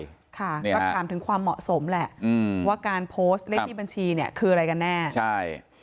ก็ถามถึงความเหมาะสมแหละว่าการโพสต์เลขที่บัญชีเนี่ยคืออะไรกันแน่ใช่